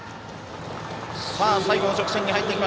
最後の直線です。